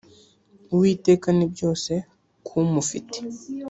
uwiteka nibyose kumufite.